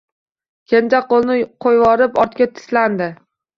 Kenja qo‘l-ni qo‘yvorib ortga tislandi.